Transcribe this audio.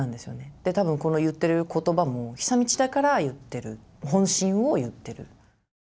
で多分この言ってる言葉も久通だから言ってる本心を言ってる。